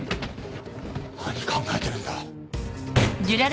何考えてるんだ。